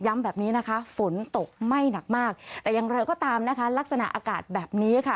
แบบนี้นะคะฝนตกไหม้หนักมากแต่อย่างไรก็ตามนะคะลักษณะอากาศแบบนี้ค่ะ